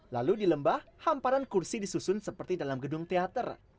lalu di lembah hamparan kursi disusun seperti dalam gedung teater